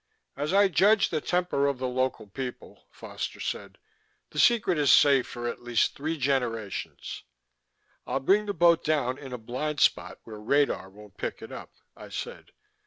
"As I judge the temper of the local people," Foster said, "the secret is safe for at least three generations." "I'll bring the boat down in a blind spot where radar won't pick it up," I said.